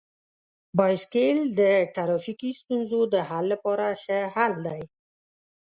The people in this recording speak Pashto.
بایسکل د ټرافیکي ستونزو د حل لپاره ښه حل دی.